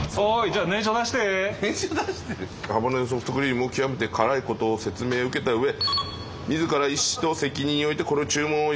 「ハバネロソフトクリームが極めて辛いことの説明を受けた上自らの意思と責任においてこれを注文いたします」。